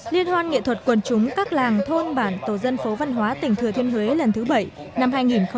liên hoan nghệ thuật quần chúng các làng thôn bản tổ dân phố văn hóa tỉnh thừa thiên huế lần thứ bảy năm hai nghìn một mươi chín